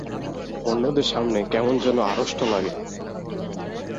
অন্যদের সামনে কেমন যেন আড়ষ্ট লাগে।